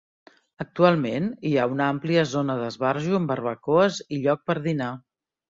Actualment hi ha una àmplia zona d'esbarjo amb barbacoes i lloc per dinar.